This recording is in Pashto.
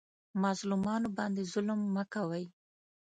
مظلومانو باندې ظلم مه کوئ